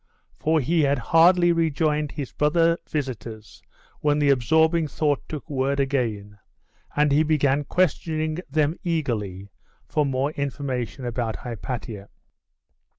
For he had hardly rejoined his brother visitors when the absorbing thought took word again, and he began questioning them eagerly for more information about Hypatia.